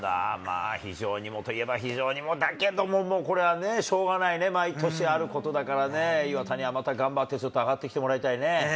非情にもといえば非情にもだけど、もうこれはね、しょうがないね、毎年あることだからね、磐田には頑張ってまたちょっと上がってきてもらいたいね。